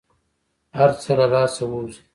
هر څه له لاسه ووزي.